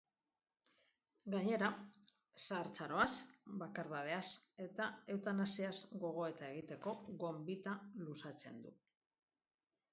Gainera, zahartzaroaz, bakardadeaz eta eutanasiaz gogoeta egiteko gonbita luzatzen du.